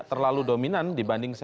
terima kasih banyak